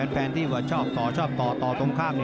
แฟนที่ชอบต่อต่อต่อต้มข้าม